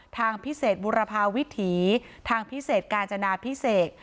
ทางพิเศษบุรพาวิถีทางพิเศษกาญจนาพิเศษ